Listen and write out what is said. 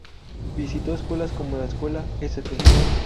Visitó escuelas como la Escuela St.